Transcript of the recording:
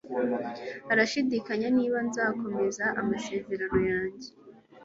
Arashidikanya niba nzakomeza amasezerano yanjye.